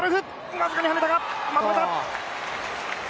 僅かにはねたがまとめた！